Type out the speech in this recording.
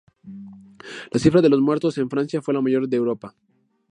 La cifra de los muertos en Francia fue la mayor de Europa.